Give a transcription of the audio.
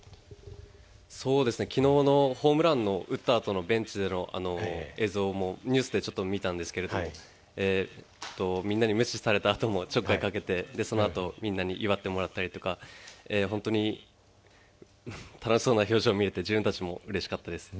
昨日のホームランを打ったあとのベンチでのあの映像もニュースでちょっと見たんですけれどもみんなに無視されたあともちょっかいかけてそのあとみんなに祝ってもらったりとか本当に楽しそうな表情が見れて自分たちもうれしかったです。